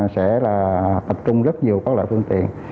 sẽ là tập trung rất nhiều các loại phương tiện